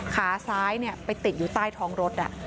ขาซ้ายเนี่ยไปติดอยู่ใต้ท้องรถอ่ะ